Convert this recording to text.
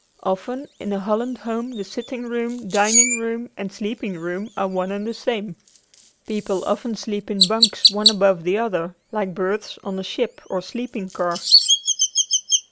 Often in a Holland home the sitting room, dining room and sleeping room are one and the same. People often sleep in bunks one above the other like berths on a ship or sleeping car.